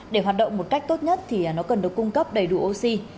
để hoạt động một cách tốt nhất thì nó cần được cung cấp đầy đủ oxy